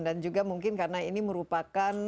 dan juga mungkin karena ini merupakan